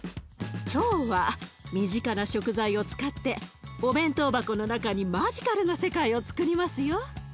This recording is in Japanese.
今日は身近な食材を使ってお弁当箱の中にマジカルな世界をつくりますよ。